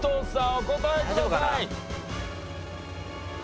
お答えください。